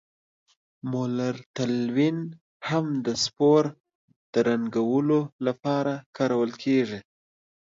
مولر تلوین هم د سپور د رنګولو لپاره کارول کیږي.